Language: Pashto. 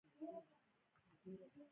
تعلیم هم تر لیسې وړیا دی.